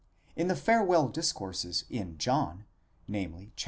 In the farewell discourses in John, namely, xiv.